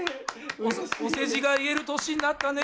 お世辞が言える年になったね